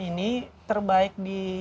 ini terbaik di